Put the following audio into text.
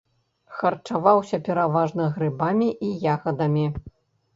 Харчаваўся пераважна грыбамі і ягадамі.